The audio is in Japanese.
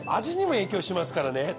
味にも影響しますからね。